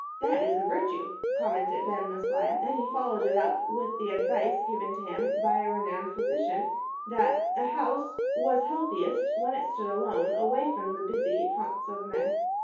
"That is a virtue," commented Ben Maslia, and he followed it up with the advice given to him by a renowned physician that a house was healthiest when it stood alone, away from the busy haunts of men.